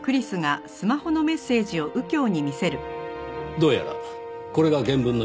どうやらこれが原文のようですね。